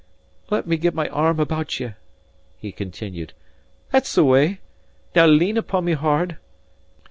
"Let me get my arm about ye," he continued; "that's the way! Now lean upon me hard.